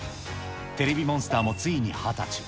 テレビモンスターもついに２０歳。